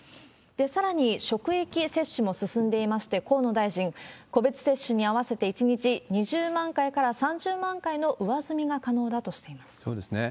さらに職域接種も進んでいまして、河野大臣、個別接種に合わせて、１日２０万回から３０万回の上積みが可能だとしています。